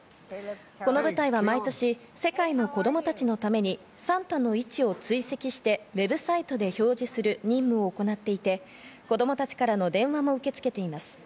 この部隊は毎年世界の子供たちのためにサンタの位置を追跡してＷＥＢサイトで表示する任務を行っていて、子供たちからの電話も受け付けています。